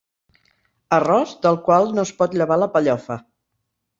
Arròs del qual no es pot llevar la pellofa.